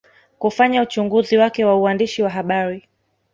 Kufanya uchunguzi wake wa uandishi wa habari